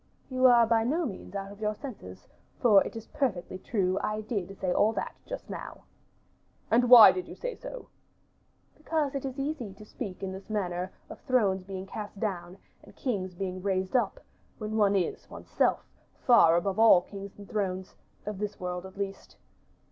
"You are by no means out of your senses, for it is perfectly true I did say all that just now." "And why did you say so?" "Because it is easy to speak in this manner of thrones being cast down, and kings being raised up, when one is, one's self, far above all kings and thrones, of this world at least."